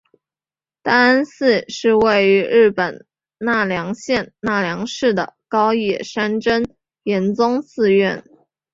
大安寺是位在日本奈良县奈良市的高野山真言宗寺院。